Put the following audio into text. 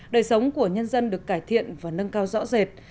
đời sống của nhân dân được cải thiện và nâng cao rõ rệt